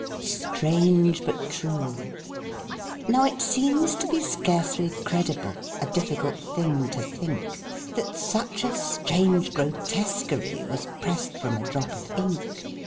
STRANGE BUT TRUE Now it seems to be scarcely credible, A difficult thing to think, That such a strange grotesquerie Was pressed from a drop of ink.